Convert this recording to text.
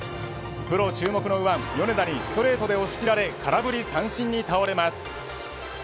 プロ注目の右腕米田にストレートで押し切られ空振り三振に倒れます。